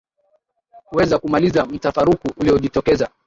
kuweza kumaliza mtafaruku uliojitokeza